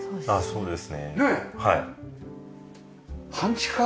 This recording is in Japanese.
そうです。